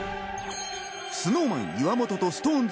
ＳｎｏｗＭａｎ・岩本とＳｉｘＴＯＮＥＳ